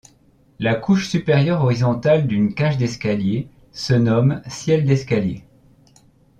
La couche supérieure horizontale d'une cage d'escalier se nomme ciel d'escalier.